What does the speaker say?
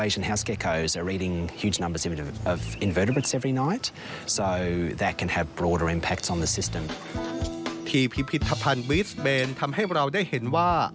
ที่พิพิธภัณฑ์บิสเบนทำให้เราได้เห็นว่า